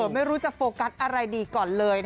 ไม่รู้จะโฟกัสอะไรดีก่อนเลย